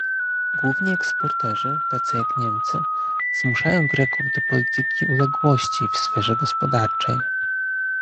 Główni eksporterzy, tacy jak Niemcy, zmuszają Greków do polityki uległości w sferze gospodarczej